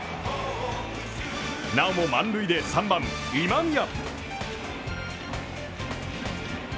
なおも満塁で３番・今宮。